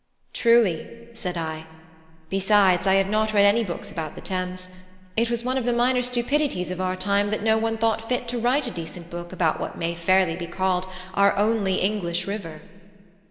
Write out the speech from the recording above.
"Truly," said I. "Besides, I have not read any books about the Thames: it was one of the minor stupidities of our time that no one thought fit to write a decent book about what may fairly be called our only English river."